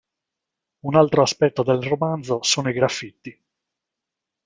Un altro aspetto del romanzo sono i graffiti.